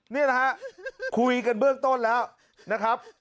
เนี้ยแหละครับคุยกันเบื้องต้นแล้วน่ะครับ